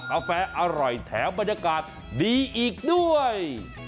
กาแฟอร่อยแถมบรรยากาศดีอีกด้วย